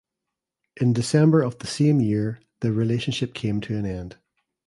In December of the same year the relationship came to an end.